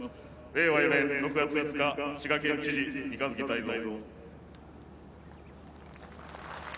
令和４年６月５日滋賀県知事三日月大造。